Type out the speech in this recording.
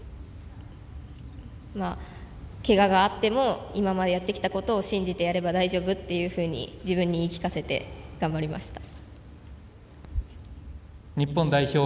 けががあっても今までやってきたことを信じてやれば大丈夫っていうふうに自分に言い聞かせて頑張りました。